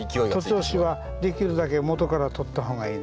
徒長枝はできるだけ元から取った方がいいんです。